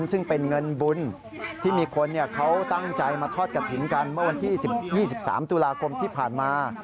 ซึ่งเป็นเงินบุญที่มีคนเขาตั้งใจมาทอดกระถิ่นกันเมื่อวันที่๒๓ตุลาคมที่ผ่านมา